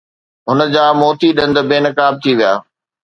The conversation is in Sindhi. هن جا موتي ڏند بي نقاب ٿي ويا.